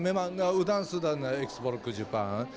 memang udang sudah ekspor ke jepang